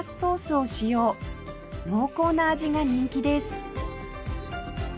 濃厚な味が人気です